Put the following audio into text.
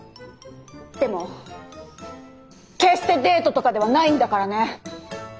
でも決してデートとかではないんだからね。